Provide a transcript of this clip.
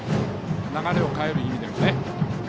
流れを変える意味でもね。